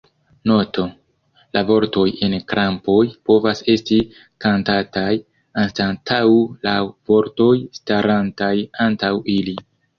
Noto: La vortoj en krampoj povas esti kantataj anstataŭ la vortoj starantaj antaŭ ili.